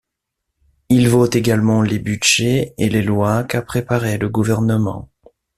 Il vote également les budgets et les lois qu'a préparé le gouvernement.